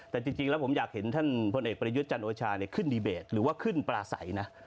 แต่จริงแล้วผมอยากเห็นท่านพลเอกประยุทธ์จันโอชาขึ้นดีเบตหรือว่าขึ้นปลาใสนะ